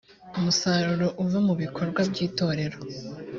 umusaruro uva mu bikorwa by’itorero